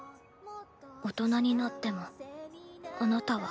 大人になっても、あなたは」。